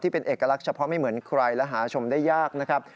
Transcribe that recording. เป็นเอกลักษณ์เฉพาะไม่เหมือนใครและหาชมได้ยากนะครับ